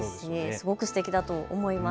すごくすてきだと思います。